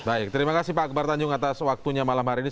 baik terima kasih pak akbar tanjung atas waktunya malam hari ini